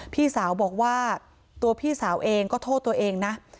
พี่สาวบอกว่าตัวพี่สาวเองก็โทษตัวเองนะ